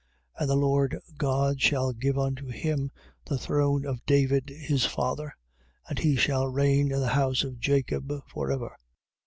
And the Lord God shall give unto him the throne of David his father: and he shall reign in the house of Jacob for ever.